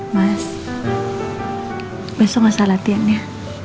mas besok masa latihan ya